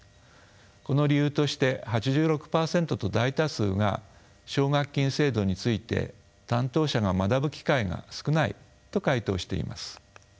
この理由として８６％と大多数が奨学金制度について担当者が学ぶ機会が少ないと回答しています。